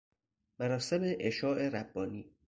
مراسم عشاء ربانی